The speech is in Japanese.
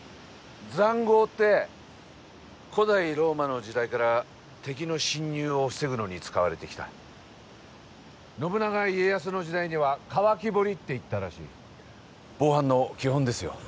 塹壕って古代ローマの時代から敵の侵入を防ぐのに使われてきた信長家康の時代には乾堀っていったらしい防犯の基本ですよ